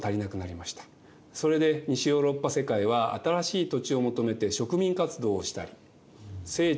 それで西ヨーロッパ世界は新しい土地を求めて植民活動をしたり聖地